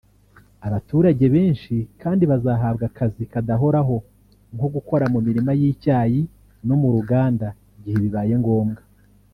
Abaturage benshi kandi bazahabwa akazi kadahoraho nko gukora mu mirima y’icyayi no mu ruganda igihe bibaye ngombwa